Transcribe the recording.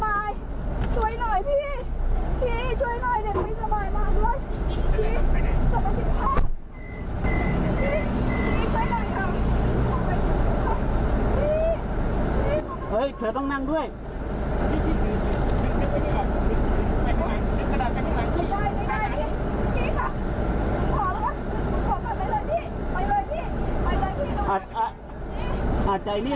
พ่อแม่รีบขับรถติดหัวใจหยุดเต้น